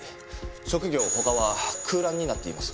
職業他は空欄になっています。